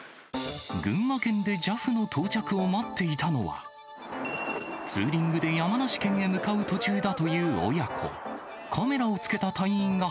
群馬県でＪＡＦの到着を待っていたのは、ツーリングで山梨県へ向かう途中だという親子。